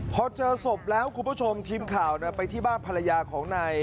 พอเจอศพแล้วคุณผู้ชมทีมข่าวไปที่บ้านภรรยาของนาย